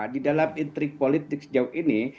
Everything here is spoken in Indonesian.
di dalam intrik politik sejauh ini